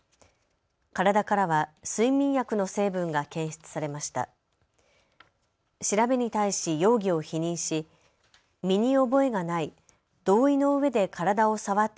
体からは睡眠薬の成分が検出されました。